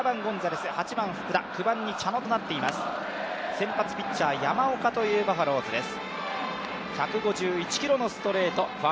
先発ピッチャー、山岡というバファローズです。